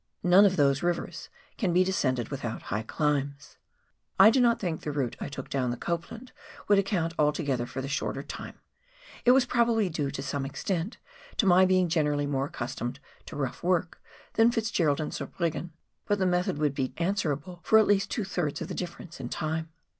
None of those rivers can be descended without high climbs. I do not think the route I took down the Copland would account altogether for the shorter time ; it was probably due, to some extent, to my being generally more accustomed to rough work than Fitzgerald and Zurbriggen; but the method would be answerable for at least two thii'ds of the difference in time.